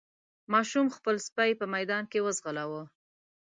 ماشوم خپل سپی په ميدان کې وځغلاوه.